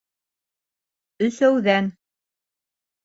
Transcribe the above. Өсәүҙән.